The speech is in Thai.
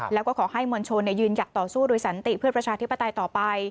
แล้วก็ขอให้มวลชนยืนหยัดต่อสู้โดยสันติเพื่อประชาธิปไตยต่อไป